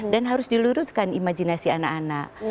harus diluruskan imajinasi anak anak